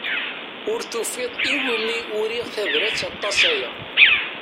Ur tufiḍ iwimi uriɣ tabrat aṭas aya.